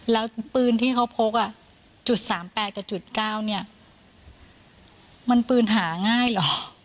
แล้วปืนที่เขาพก๓๘กับ๙มันพื้นหาง่ายหรอ